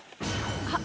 あっ。